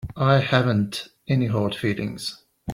I haven't any hard feelings.